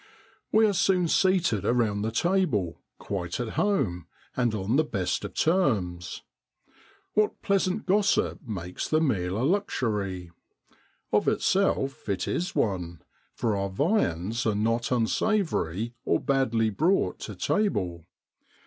We are soon seated around the table, 'quite at home,' and on the best of terms. What pleasant gossip makes the meal a luxury! Of itself it is one, for our viands are not un savoury or badly brought to table.